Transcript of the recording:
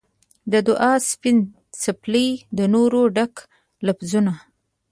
د دعا سپین سپیڅلي د نوره ډک لفظونه